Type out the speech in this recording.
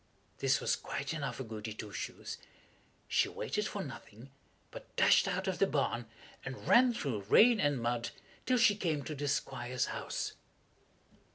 This was quite enough for Goody Two Shoes. She waited for nothing, but dashed out of the barn, and ran through rain and mud till she came to the Squire's house.